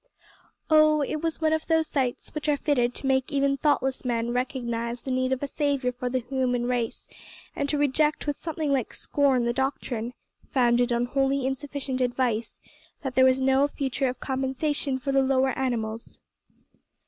Oh! it was one of those sights which are fitted to make even thoughtless men recognise the need of a Saviour for the human race, and to reject with something like scorn the doctrine founded on wholly insufficient evidence that there is no future of compensation for the lower animals!